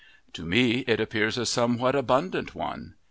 To me it appears a somewhat abundant one.